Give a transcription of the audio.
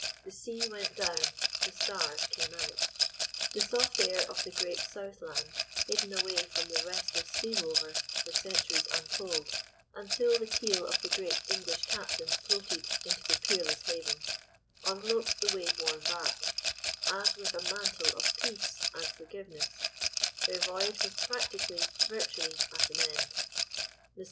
The sea went down. The stars came out. The soft air of the Great South Land, hidden away from the restless sea rover for centuries untold, until the keel of the great English captain floated into the peerless haven, enveloped the wave worn bark, as with a mantle of peace and forgiveness; their voyage was practically, virtually, at an end. Mr.